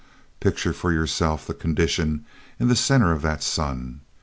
Picture for yourself the condition in the center of that sun.